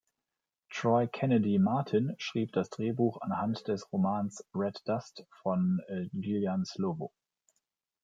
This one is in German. Troy Kennedy Martin schrieb das Drehbuch anhand des Romans "Red Dust" von Gillian Slovo.